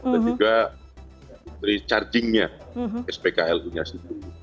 dan juga industri charging nya spkl punya situ